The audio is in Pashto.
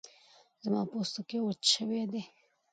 زما پوستکی وچ شوی دی